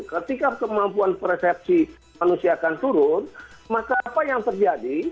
ketika kemampuan persepsi manusia akan turun maka apa yang terjadi